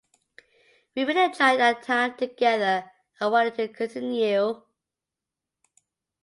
We really enjoyed our time together and wanted it to continue.